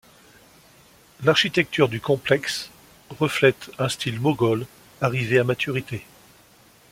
L’architecture du complexe reflète un style moghol arrivé à maturité.